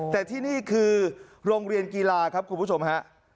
แต่ที่นี่คือโรงเรียนกีฬาครับคุณผู้ชมฮะ